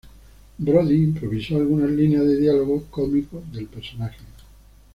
Brody improvisó algunas líneas de diálogo cómico del personaje.